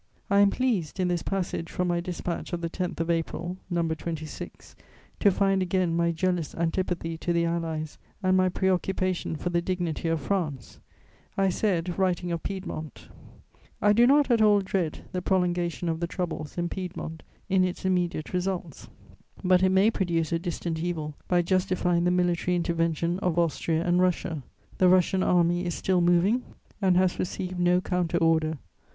I am pleased, in this passage from my dispatch of the 10th of April, No. 26, to find again my jealous antipathy to the Allies and my preoccupation for the dignity of France; I said, writing of Piedmont: "I do not at all dread the prolongation of the troubles in Piedmont in its immediate results; but it may produce a distant evil by justifying the military intervention of Austria and Russia. The Russian Army is still moving, and has received no counter order.